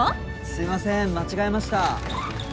すいません間違えました。